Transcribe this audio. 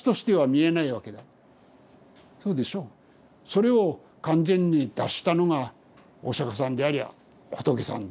それを完全に脱したのがお釈さんであり仏さん。